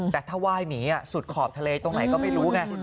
แต่ถ้าไหว้หนีสุดขอบทะเลตรงไหนก็ไม่รู้ไง